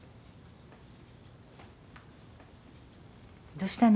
・どうしたの？